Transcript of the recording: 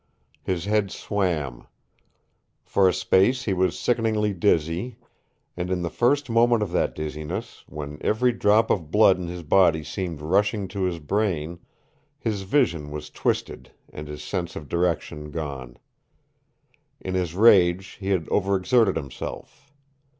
His head swam. For a space he was sickeningly dizzy, and in the first moment of that dizziness, when every drop of blood in his body seemed rushing to his brain, his vision was twisted and his sense of direction gone. In his rage he had overexerted himself.